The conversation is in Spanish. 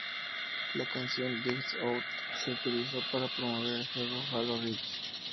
La canción "Lights Out" se utilizó para promover el juego Halo Reach.